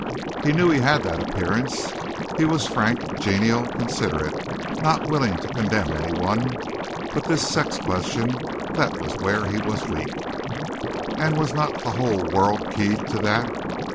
He knew he had that appearance. He was frank, genial, considerate, not willing to condemn anyone but this sex question that was where he was weak. And was not the whole world keyed to that?